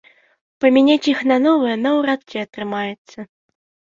Памяняць іх на новыя наўрад ці атрымаецца.